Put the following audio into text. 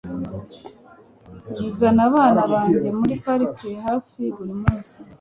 Nzana abana banjye muri parike hafi buri munsi